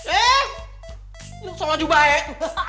eh nggak sama juga eh